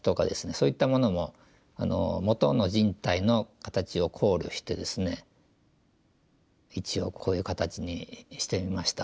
そういったものも元の人体の形を考慮してですね一応こういう形にしてみました。